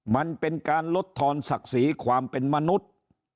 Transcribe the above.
มันเป็นการลดทอนศักดิ์ศรีความเป็นมนุษย์